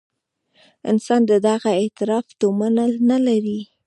انسان د دغه اعتراف تومنه نه لري.